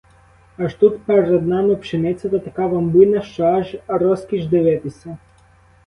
Аж тут перед нами пшениця, та така вам буйна, що аж розкіш дивитися.